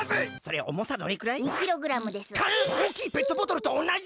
おおきいペットボトルとおなじ！